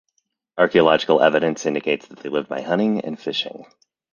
Archaeological evidence indicates that they lived by hunting and fishing.